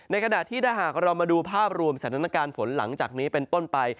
ขณะที่ถ้าหากเรามาดูภาพรวมสถานการณ์ฝนหลังจากนี้เป็นต้นไป